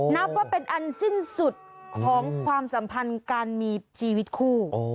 นับว่าเป็นอันสิ้นสุดของความสัมพันธ์การมีชีวิตคู่